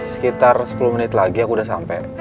sekitar sepuluh menit lagi aku udah sampai